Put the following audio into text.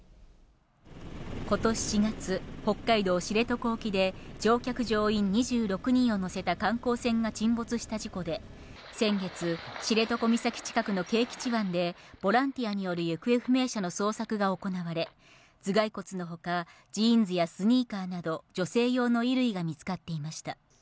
ことし４月、北海道知床沖で、乗客・乗員２６人を乗せた観光船が沈没した事故で、先月、知床岬近くの啓吉湾で、ボランティアによる行方不明者の捜索が行われ、頭蓋骨のほか、ジーンズやスニーカーなど、女性用の衣類が見つかっていました。